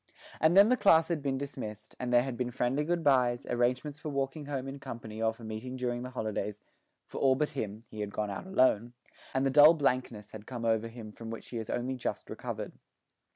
And then the class had been dismissed, and there had been friendly good byes, arrangements for walking home in company or for meeting during the holidays for all but him; he had gone out alone and the dull blankness had come over him from which he has only just recovered.